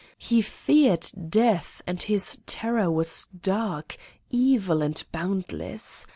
He feared death and his terror was dark, evil and boundless.